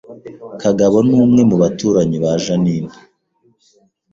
Kagabo ni umwe mu baturanyi ba Jeaninne